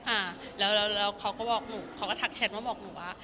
อ่าแล้วแล้วเขาก็บอกหนูเขาก็ทักแชทมาบอกหนูว่า